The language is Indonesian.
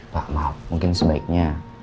pak maaf mungkin sebaiknya